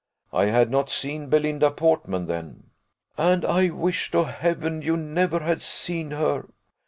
"I had not seen Belinda Portman then." "And I wish to Heaven you never had seen her!